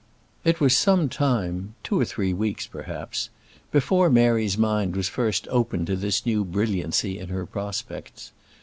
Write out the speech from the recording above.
It was some time two or three weeks, perhaps before Mary's mind was first opened to this new brilliancy in her prospects.